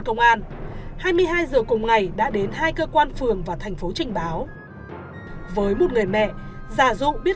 công an hai mươi hai giờ cùng ngày đã đến hai cơ quan phường và thành phố trình báo với một người mẹ giả dụ biết